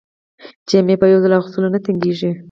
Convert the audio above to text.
جامې په یو ځل اغوستلو نه تنګیږي.